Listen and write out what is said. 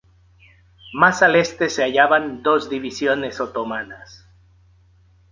Más al este se hallaban dos divisiones otomanas.